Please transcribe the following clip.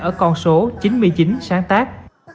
ở con số chín mươi chín sáng tác